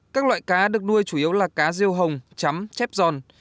các loại cá được nuôi chủ yếu là cá riêu hồng chấm chép giòn